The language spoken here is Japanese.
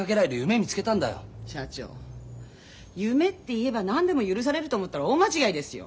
社長夢って言えば何でも許されると思ったら大間違いですよ。